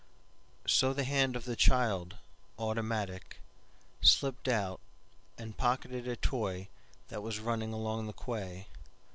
So the hand of the child, automatic, Slipped out and pocketed a toy that was running along the quay.